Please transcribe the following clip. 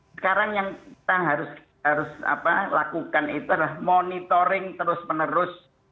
sekarang yang kita harus lakukan itu adalah monitoring terus menerus